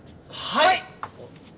はい！